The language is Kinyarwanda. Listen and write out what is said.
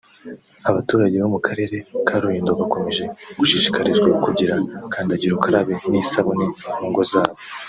abaturage bo mu Karere ka Rulindo bakomeje gushishikarizwa kugira kandagirukarabe n’isabune mu ngo zabo